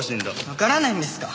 わからないんですか？